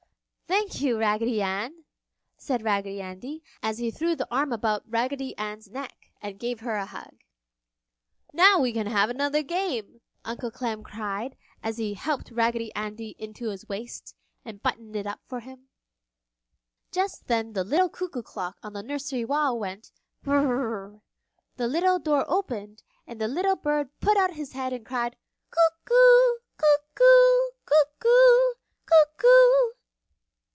"Thank you, Raggedy Ann!" said Raggedy Andy, as he threw the arm about Raggedy Ann's neck and gave her a hug. "Now we can have another game!" Uncle Clem cried as he helped Raggedy Andy into his waist and buttoned it for him. Just then the little Cuckoo Clock on the nursery wall went, "Whirrr!" the little door opened, and the little bird put out his head and cried, "Cuckoo! cuckoo! cuckoo! cuckoo!"